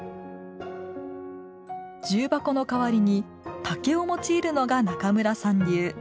重箱の代わりに竹を用いるのが中村さん流。